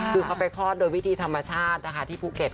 คือเขาไปคลอดโดยวิธีธรรมชาตินะคะที่ภูเก็ต